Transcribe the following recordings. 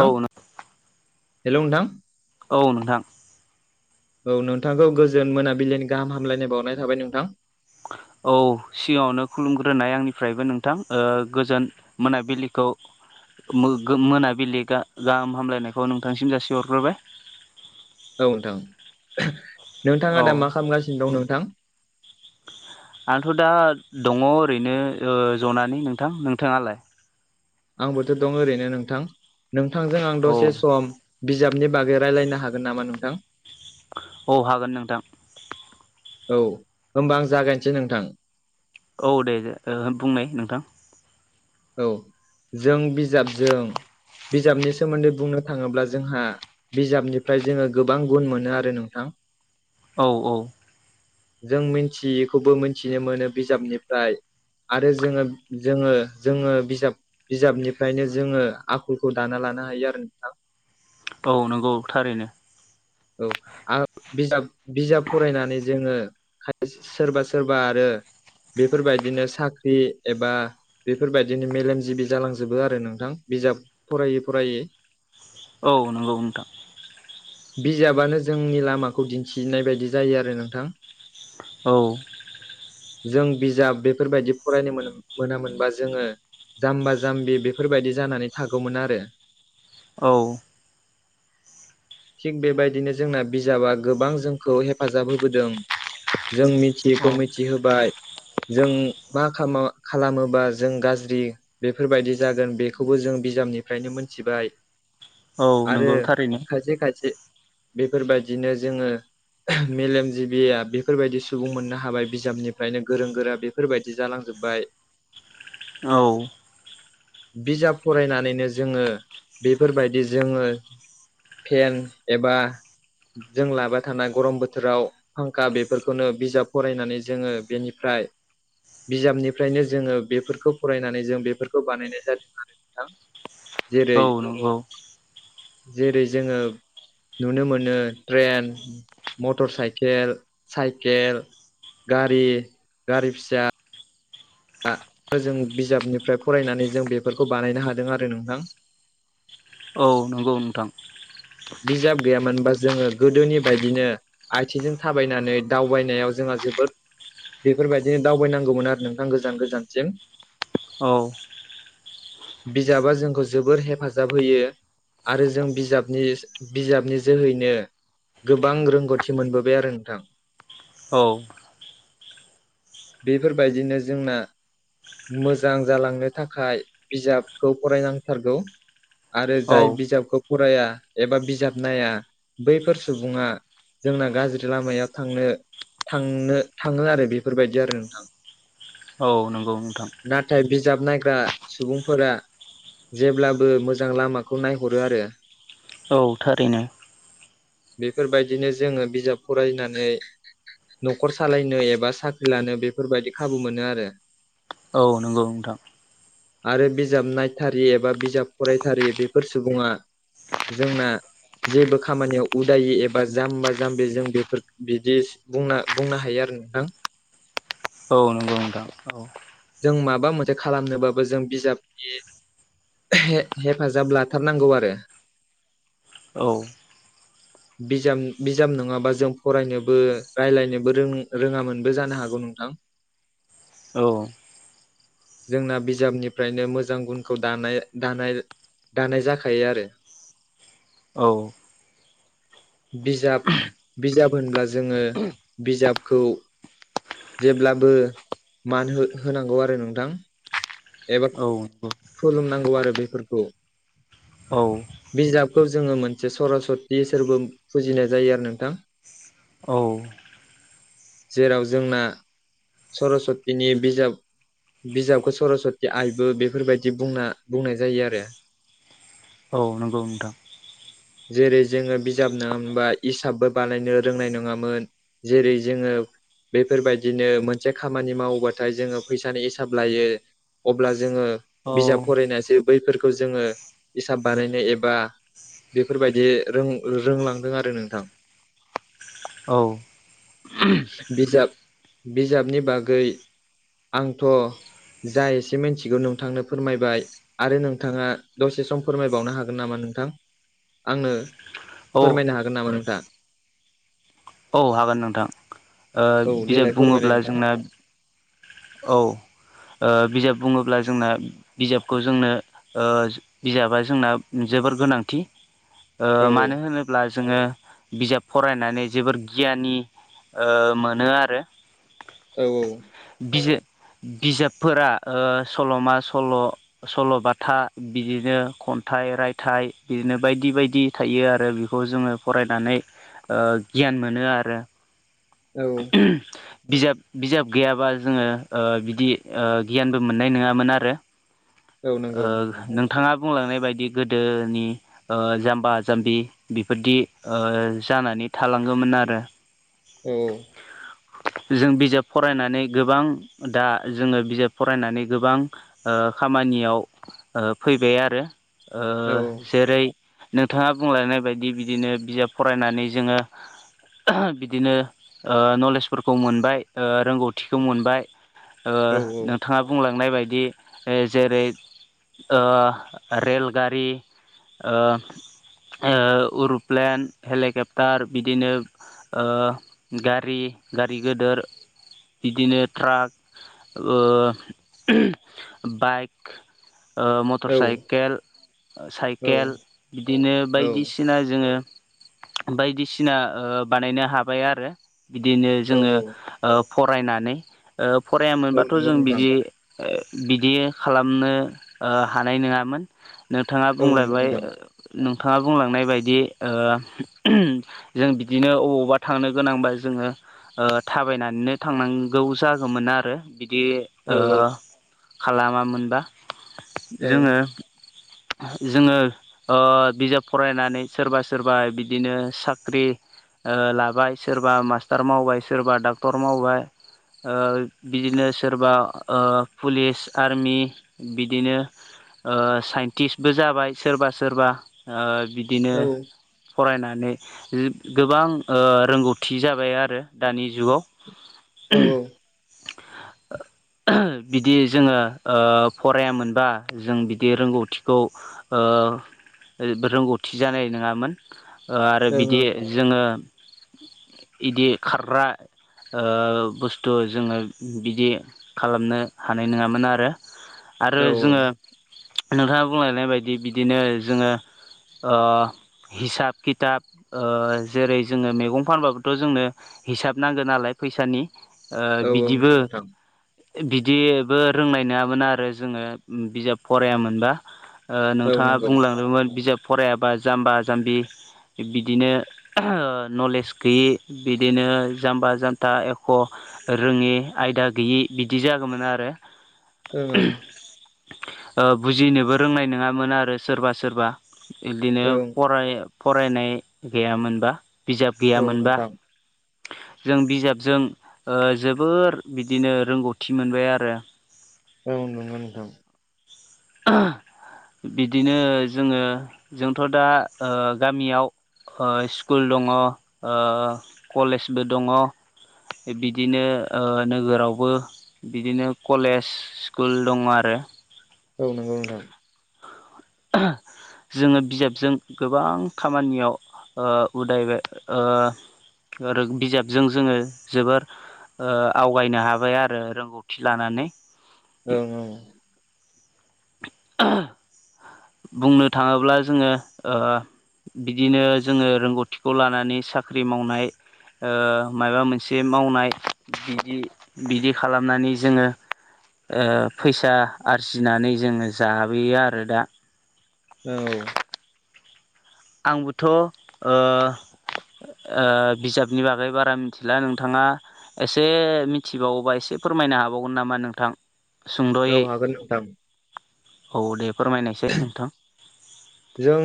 औ हेलौ' नोंथां औ नोंथां औ नोंथांखौ गोजोन मोनाबिलिनि गाहाम हामलायनाय बावहरनाय थाबाय नोंथां औ सिगाङावनो खुलुमग्रोनाय आंनिफ्रायबो नोंथां गोजोन मोनाबिलिखौ मो गो मोनाबिलि गा गाहाम हामलायनायखौ नोंथांसिम जासिहरग्रोबाय औ नोंथां औ नोंथाङा दा मा खामगासिनो दं नोंथां आंथ' दा दङ ओरैनो जनानै नोंथां नोंथाङालाय आंबोथ' दं ओरैनो नोंथां नोंथांजों आं औ दसे सम बिजाबनि बागै रायलायनो हागोन नामा नोंथां औ हागोन नोंथां औ होमबा आं जागायनोसै नोंथां औ देे बुंनाय नोंथां औ जों बिजाबजों बिजाबनि सोमोन्दै बुंनो थांङोब्ला जोंहा बिजाबनिफ्राय जोंङो गोबां गुन मोनो आरो नोंथां औ औ जों मिनथियिखौबो मोनथिनो मोनो बिजाबनिफ्राय आरो जोङो जोंङो जोंङो बिजाब बिजाबनिफ्रायनो जोंङो आखलखौ दाना लानो हायो आरो नोंथां औ नंगौ थारैनो औ आ बिजाब बिजाब फरायनानै जोंङो सोरबा सोरबा आरो बेफोरबायदिनो साख्रि एबा बेफोरबायदिनो मेलेमजिबि जालांजोबो आरो नोंथां बिजाब फरायै फरायै औ नंगौ नोंथां बिजाबानो जोंनि लामाखौ दिन्थिनाय बायदि जायो आरो नोंथां औ जों बिजाब बेफोरबायदि फरायनो मोन मोनामोनबा जोङो जाम्बा जाम्बि बेफोरबायदि जानानै थागौमोन आरो औ थिग बेबायदिनो जोंना बिजाबा गोबां जोंखौ हेफाजाब होबोदों जों औ मिथियैखौ मिथिहोबाय जों मा खा [unintelligible] खालामोबा जों गाज्रि बेफोरबायदि जागोन बेखौबो जों बिजाबनिफ्रायनो मोनथिबाय औ आरो नंगौ थारैनो खायसे खायसे बेफोरबायदिनो जोंङो मेलेमजिबिया बेफोरबायदि सुबुं मोननो हाबाय बिजाबनिफ्रायनो गोरों गोरा बे फोरबायदि जालांजोब्बाय औ बिजाब फरायनानैनो जोंङो बेफोरबायदि जोंङो फेन एबा जों लाबा थानाय गरम बोथोराव फांखा बेफोरखौनो बिजाब फरायनानै जोङो बेनिफ्राय बिजाबनिफ्रायनो जोंङो बेफोरखौ फरायनानै जों बेफोरखौ बानायनाय जादों आरो ना औ नंगौ जेरै जोङो नुनो मोनो ट्रेन मटर साइकेल साइकेल गारि गारि फिसा जों बिजाबनिफ्राय फरायनानै जों बेफोरखौ बानायनो हादों आरो नोंथां औ नंगौ नोंथां बिजाब गैयामोनबा जोंङो गोदोनि बायदिनो आथिंजों थाबायनानै दावबायनायाव जोंहा जोबोद बेफोरबायदिनो दावबायनांगौमोन आरो नोंथां गोजान गोजानसिम औ बिजाबा जोंखौ जोबोर हेफाजाब होयो आरो जों बिजाब नि बिजाबनि जोहैनो गोबां रोंगौथि मोनबोबाय आरो नोंथां औ बेफोरबायदिनो जोंना मोजां जालांनो थाखाय बिजाबखौ फरायनांथारगौ आरो जाय औ बिजाबखौ फराया एबा बिजाब नाया बैफोर सुबुङा जोंना गाज्रि लामायाव थांनो थांनो थाङो आरो बेफोरबायदि आरो नोंथां औ नंगौ नोंथां नाथाय बिजाब नायग्रा सुबुंफोरा जेब्लाबो मोजां लामाखौ नायहरो आरो औ थारैनो बेफोरबायदिनो जोङो बिजाब फरायनानै न'खर सालायनो एबा साख्रि लानो बेफोरबायदि खाबु मोनो आरो औ नंगौ नोंथां आरो बिजाब नायथारि एबा बिजाब फरायथारि बेफोर सुबुङा जोंना जेबो खामानियाव उदायि एबा जाम्बा जाम्बि जों बेफोर बिदि बुंनो बुंनो हायो आरो नोंथां औ नंगौ नोंथां औ जों माबा मोनसे खालामनोबाबो जों बिजाबनि हेफाजाब लाथारनांगौ आरो। औ बिजाब बिजाब नङाबा जों फरायनोबो राय्लायनोबोों रोङामोनबो जानो हागौ नोंथां। औ जोंना बिजाबनिफ्रायनो मोजां गुनखौ दानाय दानाय दानाय जाखायो आरो। औ बिजाब बिजाब होनब्ला जोङो बिजाबखौ जेब्लाबो मान होनांगौ आरो नोंथां। एबा औ खुलुमनांगौ आरो बेफोरखौ। औ बिजाबखौ जोङो मोनसे सरसतिसोरबो फुजिनाय जायो आरो नोंथां। औ जेराव जोंना सरस्तिनि बिजाब बिजाबखौ सरस्वति आइबो बेफोरबायदि बुंना बुंनाय जायो आरो। औ नंगौ नोंथां। जेरै जोङो बिजाब नङामोनबा हिसाबबो बानायनो रोंनाय नङामोन। जेरै जोङो बेफोरबायदिनो मोनसे खामानि मावोबाथाय जोङो फैसानि हिसाब लायो। अब्ला जोङो औ बिजाब फरायनायसो बैफोरखौ जोङो हिसाब बानायनो एबा बेफोरबायदि रों रोंलांदों आरो नोंथां औ बिजाब बिजाबनि बागै आंथ' जा एसे मिथिगौ नोंथांनो फोरमायबाय। आरो नोंथाङा दसे सम फोरमायबावनो हागोन नामा नोंथां आंनो औ फोरमायनो हागोन नामा नोंथां? औ हागोन नोंथां बिजाब देलाय फोरमायलाय बुङोब्ला नोंथां जोंना औ बिजाब बुङोब्ला जोंना बिजाबखौ जोंनो बिजाबा जोंना जोबोर गोनांथि। औ मानो होनोब्ला जोङो बिजाब फरायनानै जोबोर गियानि ओ मोनो आरो। औ औ बिज बिजाबफोरा सल'मा सल' सल'बाथा बिदिनो खन्थाइ रायथाइ बिदिनो बायदि बायदि थायो आरो बेखौ जोङो फरायनानै ओ गियान मोनो आरो। औ [inaudible] बिजाब बिजाब गैयाबा जोङो ओ बिदि गियानबो मोननाय नङामोन आरो। औ नंगौ नोंथाङा बुंलांनाय बायदि गोदोनि ओ जाम्बा जाम्बि बेफोरदि जानानै थालाङोमोन आरो। औ जों बिजाब फरायनानै गोबां दा जोङो बिजाब फरायनानै गोबां ओ खामानियाव फैबाय आरो औ ओ जेरै नोंथाङा बुंलायनाय बायदि बिदिनो बिजाब फरायनानै जोङो बिदिनो नलेजफोरखौ मोनबाय रोंगौथिखौ मोनबाय ओ औ नोंथाङा बुंलांनाय बायदि जेरै ओ रेलगारि ओ ओ इर'प्लेन हेलिकेप्टार बिदिनो ओ गारि गारि गोदोर बिदिनो ट्राक ओ बाइक ओ मटर औ साइकेल साइकेल बिदिनो औ बायदिसिना जोङो बायदिसिना बानायनो हाबाय आरो बिदिनो औ जोङो ओ फरायनानै ओ औ फरायामोनबाथ' नंगौ जों नोंथां बिदि ओ बिदि खालामनो हानाय नङामोन नोंथाङा औ नंगौ बुंलायबाय नोंथां नोंथाङा बुंलांनाय बायदि ओ जों बिदिनो अबावबा थांनो गोनांबाय जोङो थाबायनानैनो थांनांगौ जागौमोन आरो बिदि औ खालामामोनबा औ जोङो जोङो बिजाब फरायनानै सोरबा सोरबा बिदिनो साख्रि लाबाय सोरबा मास्टार मावबाय सोरबा डाक्टर मावबाय बिदिनो सोरबा पुलिस आर्मि बिदिनो ओ साइन्टिस्टबो जाबाय सोरबा सोरबा ओ बि बिदिनो फरायनानै गोबां ओ रोंगौथि थि जाबाय आरो दानि जुगाव औ बिदि जोङो फरायामोनबा जों बिदि रोंगौथिखौ ओ रोंगौथि जानाय नङामोन आरो बिदि जोङो बिदि खारग्रा बुस्थु जोङो बिदि खालामनो हानाय नङामोन आरो आरो औ जोङो नोंथाङा बुंलायनाय बायदि बिदिनो जोङो हिसाब खिथाब जेरै जोङो मैगं फानबाबो थ' जोंनो हिसाब नांगोन नालाय फैसानि ओं औ नंगौ बिदिबो नोंथां बिदिबो रोंनाय नङामोन आरो जोङो बिजाब फरायामोनबा औ नोंथाङा नंगौ बुंलांदोंमोन बिजाब फरायाबा जाम्बा जाम्बि बिदिनो ओ नलेज गैयि बिदिनो जाम्बा जामथा एख' रोङि आयदा गैयि बिदि जागौमोन आरो ओं ओ बुजिनोबो रोंनाय नङामोन आरो सोरबा सोरबा इदिनो ओं फराय फरायनाय गैयामोनबा बिजाब ओं औ गैयामोनबा नोंथां जों बिजाबजों ओ जोबोर बिदिनो रोंगौथि मोनबाय आरो औ नंगौ नोंथां [inaudible] बिदिनो जोङो जोंथ' दा ओ गामियाव ओ स्कुल दङ' ओ कलेजबो दङ' बिदिनो ओ नोगोरावबो बिदिनो कलेज स्कुल दङ' आरो औ नंगौ नोंथां [inaudible] जोङो बिजाबजों गोबां खामानियाव ओ उदायबाय ओ रों बिजाबजों जोङो जोबोर [unintelligible] ओ आवगायनो हाबाय आरो रोंगौथि लानानै ओं औ बुंनो थाङोब्ला जोङो ओ बिदिनो जोङो रोंगौथिखौ लानानै साख्रि मावनाय ओ मायबा मोनसे मावनाय बिदि बिदि खालामनानै जोङो ओ फैसा आरजिनानै जोङो जाबोयो आरो दा औ आंबोथ' ओ ओ बिजाबनि बागै बारा मिथिला नोंथाङा। एसे मिथिबावोबा एसे फोरमायनो हाबावगोन नामा नोंथां। औ सुंद'यै हागोन नोंथां। औ दे फोरमायनायसै नोंथां। जों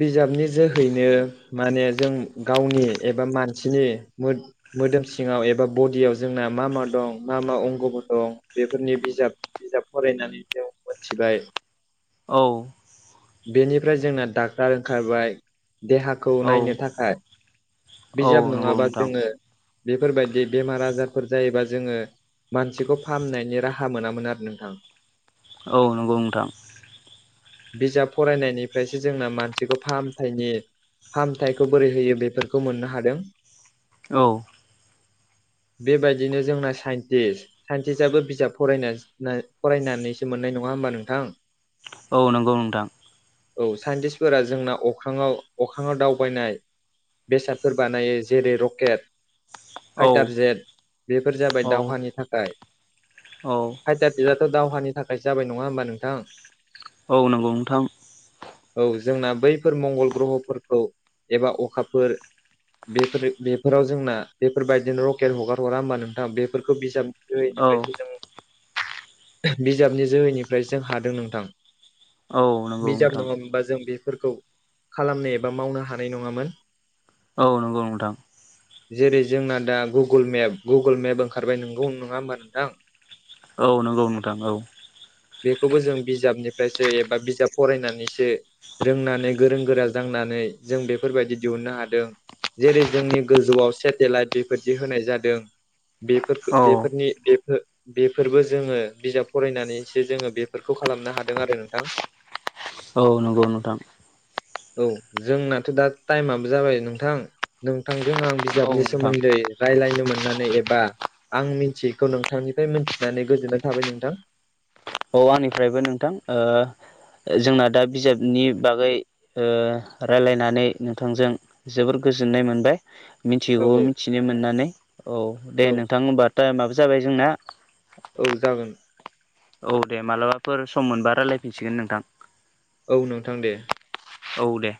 बिजाबनि जोहैनो माने जों गावनि एबा मानसिनि मोदोम सिङाव एबा बडियाव जोंना मा मा दं मा मा अंग'फोर दं बेफोरनि बिजाब बिजाब फरायनानै जों मोनथिबाय औ। बेनिफ्राय जोंना डाक्टार ओंखारबाय देहा खौ औ नायनो थाखाय औ बिजाब नंगौ नङाबा नोंथां जोङो। बेफोर बायदि बेमार आजारफोर जायोबा जोङो। मानसिखौ फाहामनायनि राहा मोनामोन आरो नोंथां। औ नंगौ नोंथां। बिजाब फरायनायनिफ्रायसो जोंना मानसिखौ फाहामथायनि फाहामथायखौ बोरै होयो बेफोरखौ मोननो हादों। औ। बेबायदिनो जोंना साइन्टिस्ट। साइन्टिस्टबो बिजाब फराय नायनै फरायनानैसो मोननाय नङा होमबा नोंथां। औ नंगौ नोंथां। औ साइन्टिस्फोरा जोंना अख्राङाव अख्राङाव दावबायनाय। बेसादफोर बानायो जेरै रकेट औ फाइटार जेट बेफोर जाबाय औ दावहानि थाखाय। औ। फाइटार जेटआथ' दावहानि थाखायो जाबाय नङा होमबा नोंथां। औ नंगौ नोंथां। औ जोंना बैफोर मंगल ग्रह'फोरखौ एबा अखाफोर। बेफोर बेफोराव जोंना बेफोरबायदिनो रकेट हगार हरा होमबा नोंथाङा बेफोरखौ बिजाब [unintelligible] औ जों बिजाबनि जोहैनिफ्रायसो जों हादों नोंथां। औ नंगौ बिजाब नोंथां नङामोनबा जों बेफोरखौ खालामनो एबा मावनो हानाय नङामोन। औ नंगौ नोंथां। [inaudible] जेरै जोंना दा गुगोल मेप गुगोल मेप ओंखारबाय नोंगौ नङा होमबा नोंथां। औ नंगौ नोंथां औ। बेखौबो जों बिजाबनिफ्रायसो एबा बिजाब फरायनानैसो रोंनानै गोरों गोरा जांनानै जों बेफोरबादि दिहुननो हादों। जेरै जोंनि गोजौआव सेटेलाइट बेफोरबादि होनाय जादों। बे बेफोरखौ औ बेफोर बेफोरबो जोङो बिजाब फरायनानैसो जोङो बेफोरखौ खालामनो हादों आरो नोंथां। औ नंगौ नोंथां। औ जोंनाथ' दा टाइमाबो जाबाय नोंथां नोंथांजों आं औ बिजाबनि नोंथां सोमोन्दै रायज्लायनो मोननानै एबा आं मिथियैखौ नोंथांनिफ्राय मिथिनानै गोजोननाय थाबाय नोंथां। औ आंनिफ्रायबो नोंथां। जोंना दा बिजाबनि बागै रायलायनानै नोंथांजों। जोबोर गोजोननाय मोनबाय। औ मिथियैखोबो औ मिथिनो मोननानै औ दे औ नोंथां होनबा टाइमाबो जाबाय जोंना। औ जागोन। औ दे मालाबाफोर सम मोनबा रायजलायफिनसिगोन नोंथां। औ नोंथां दे। औ दे।